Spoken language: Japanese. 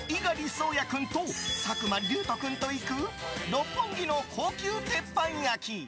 蒼弥君と作間龍斗君と行く六本木の高級鉄板焼き。